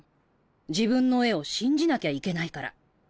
自分の絵を信じなきゃいけないから。